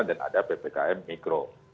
dan ada ppkm mikro